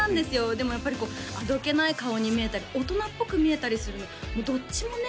でもやっぱりこうあどけない顔に見えたり大人っぽく見えたりするのどっちもね